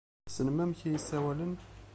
Tessnem amek iyi-ssawalen?